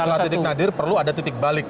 jadi setelah titik nadir perlu ada titik balik